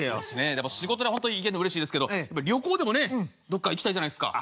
でも仕事で本当行けるのうれしいですけど旅行でもねどっか行きたいじゃないですか。